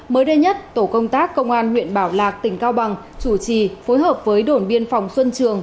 mới đây nhất tổ công tác công an huyện bảo lạc tỉnh cao bằng chủ trì phối hợp với đồn biên phòng xuân trường